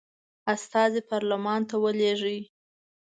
استازي پارلمان ته ولیږي.